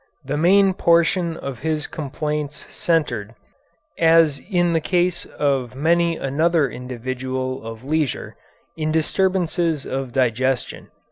The main portion of his complaints centred, as in the case of many another individual of leisure, in disturbances of digestion.